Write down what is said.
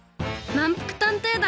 まんぷく探偵団！